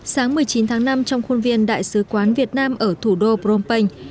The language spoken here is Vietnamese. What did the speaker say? sáng một mươi chín tháng năm trong khuôn viên đại sứ quán việt nam ở thủ đô phnom penh